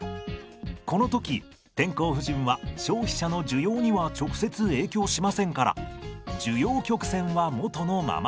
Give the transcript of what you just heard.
この時天候不順は消費者の需要には直接影響しませんから需要曲線はもとのままです。